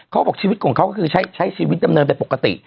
เขาบอกชีวิตของเขาก็คือใช้ชีวิตดำเนินไปปกติ